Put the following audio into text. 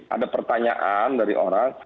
ada pertanyaan dari orang